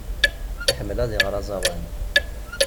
Iḥemmel ad iɣer aẓawan.